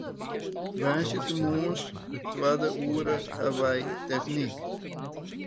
Woansdeitemoarns it twadde oere hawwe wy technyk.